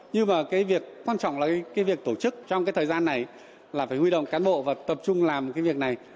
nhưng mà cái việc quan trọng là cái việc tổ chức trong cái thời gian này là phải huy động cán bộ và tập trung làm cái việc này